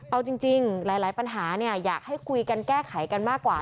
เอาจริงหลายปัญหาอยากให้คุยกันแก้ไขกันมากกว่า